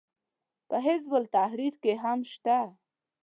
په حزب التحریر کې هم شته.